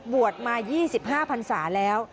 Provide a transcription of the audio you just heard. บวชมา๒๕พันศาแล้ว